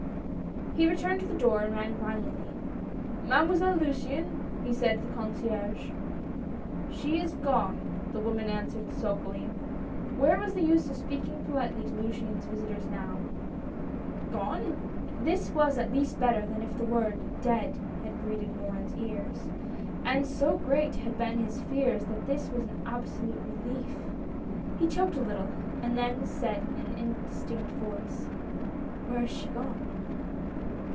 He returned to the door and rang violently. " Mademoiselle Luciane ?" he said to the concierge. " She is gone," the woman answered sulkily. Where was the use of speaking politely to Luciane's visitors now? " Gone I " This was at least better than if the word " dead " had greeted Morin's ears, and so great had been his fears that this was an absolute relief. He choked a little, and then said in an indistinct voice :" Where has she gone